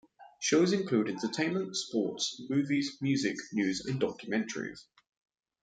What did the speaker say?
Shows include entertainment, sports, movies, music, news and documentaries.